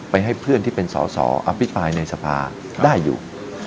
ให้เพื่อนที่เป็นสอสออภิปรายในสภาได้อยู่